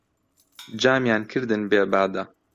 جامیان کردن بێ بادە